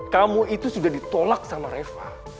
kamu itu sudah ditolak sama reva